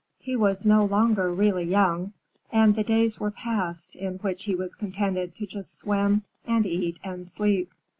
He was no longer really young, and the days were past in which he was contented to just swim and eat and sleep.